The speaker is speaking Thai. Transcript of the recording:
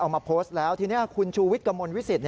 มาโพสต์แล้วทีนี้คุณชูวิทย์กระมวลวิสิต